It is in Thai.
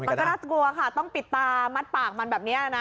มันก็น่ากลัวค่ะต้องปิดตามัดปากมันแบบนี้นะ